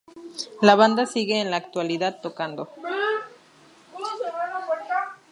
La Banda sigue en la actualidad tocando.